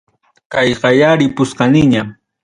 Kayqaya ripuskaniña.